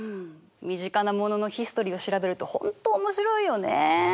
身近なもののヒストリーを調べると本当面白いよね。